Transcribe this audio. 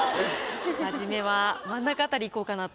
初めは真ん中辺りいこうかなと。